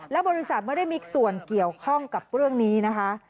และบริษัทไม่ได้มีส่วนเกี่ยวข้องกับเรื่องนี้นะคะ